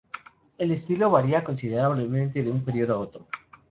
El estilo varía considerablemente de un periodo a otro.